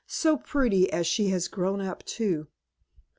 "So pretty as she's grown up, too!"